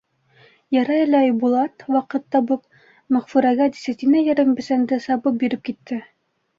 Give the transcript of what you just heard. Ярай әле Айбулат, ваҡыт табып, Мәғфүрәгә дисәтинә ярым бесәнде сабып биреп китте.